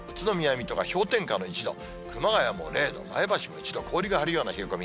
水戸が氷点下の１度、熊谷も０度、前橋も１度、氷が張るような冷え込み。